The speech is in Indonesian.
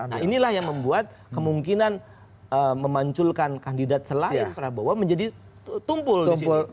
nah inilah yang membuat kemungkinan memanculkan kandidat selain prabowo menjadi tumpul di sini